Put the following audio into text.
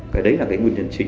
cái đấy là cái nguyên nhân trình